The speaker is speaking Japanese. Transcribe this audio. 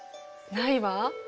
ないわ。